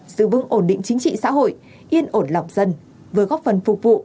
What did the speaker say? giữ vững ổn định chính trị xã hội yên ổn lọc dân vừa góp phần phục vụ